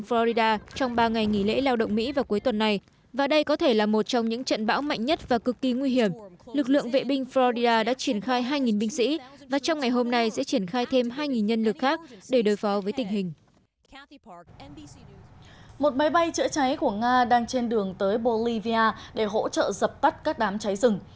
một máy bay chữa cháy của nga đang trên đường tới bolivia để hỗ trợ dập tắt các đám cháy rừng